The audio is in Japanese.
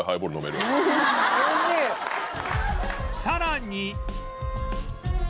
さらに